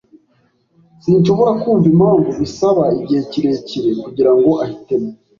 Sinshobora kumva impamvu bisaba igihe kirekire kugirango ahitemo.